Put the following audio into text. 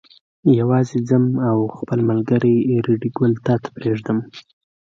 یوازې ځم او خپل ملګری ریډي ګل تا ته پرېږدم.